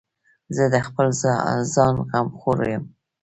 زه د خپل ځان غمخور یم.